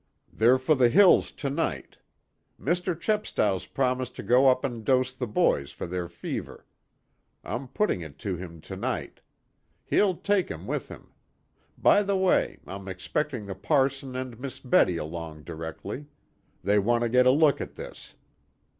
"They're for the hills to night. Mr. Chepstow's promised to go up and dose the boys for their fever. I'm putting it to him to night. He'll take 'em with him. By the way, I'm expecting the parson and Miss Betty along directly. They want to get a look at this."